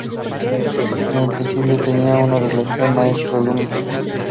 En el principio, tenían una relación maestro-alumno.